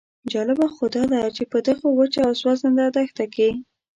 جالبه خو داده چې په دغه وچه او سوځنده دښته کې.